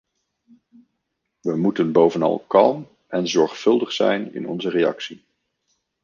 We moeten bovenal kalm en zorgvuldig zijn in onze reactie.